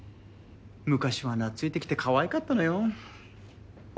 昔は懐いてきてかわいかったのよ。